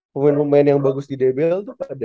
pemain pemain yang bagus di dbl tuh pada